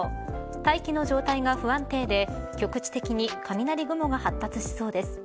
大気の状態が不安定で局地的に雷雲が発達しそうです。